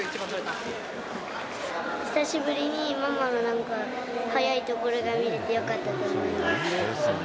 久しぶりにママの、なんか、速いところが見れてよかったと思います。